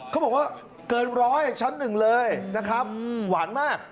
เขาบอกว่าเกินร้อยชั้นหนึ่งเลยนะครับหวานมาก